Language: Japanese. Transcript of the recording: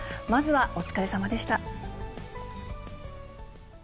まずはお疲れさまでした。